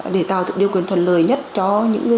để tạo được điều quyền thuận lợi nhất cho những người